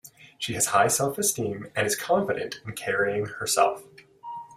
She has high self-esteem and is confident in carrying herself.